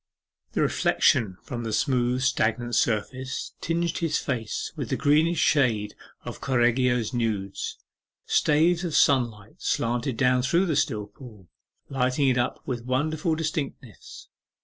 The reflection from the smooth stagnant surface tinged his face with the greenish shades of Correggio's nudes. Staves of sunlight slanted down through the still pool, lighting it up with wonderful distinctness.